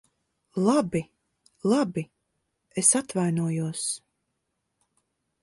Labi, labi. Es atvainojos.